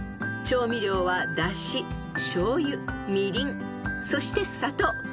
［調味料はだししょうゆみりんそして砂糖］